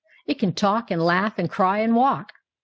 It can talk and laugh and cry and walk."